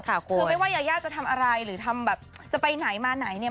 คือไม่ว่ายายาจะทำอะไรหรือทำแบบจะไปไหนมาไหนเนี่ย